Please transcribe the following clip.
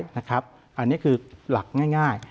แร้เลยนะครับอันนี้คือหลักง่าย